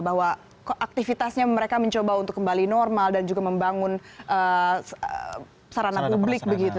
bahwa aktivitasnya mereka mencoba untuk kembali normal dan juga membangun sarana publik begitu